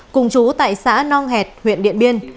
cùng chú tại xã nong hẹt huyện điện biên